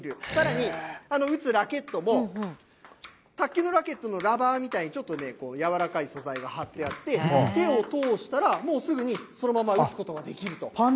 さらに、打つラケットも、卓球のラケットのラバーみたいに、ちょっとやわらかい素材が貼ってあって、手を通したら、もう、すぐにそのまま打つことができると。